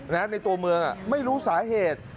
ในตัวเมืองไม่รู้สาเหตุ